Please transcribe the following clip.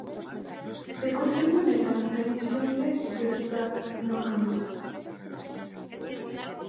De cualquier manera, la visión de Gernsback no cambió.